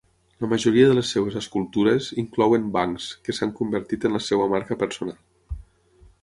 La majoria de les seves escultures inclouen bancs, que s'han convertit en la seva marca personal.